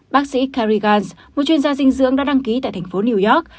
bác sĩ kerry gans một chuyên gia dinh dưỡng đã đăng ký tại thành phố new york